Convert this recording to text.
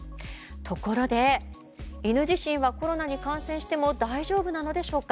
ところで犬自身はコロナに感染しても大丈夫なのでしょうか。